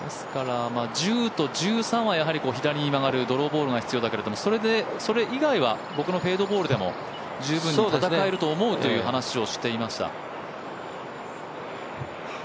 １０と１３は、左に曲がるドローボールが必要だけれどもそれ以外は僕のフェードボールでも十分には戦えると思うと話していました。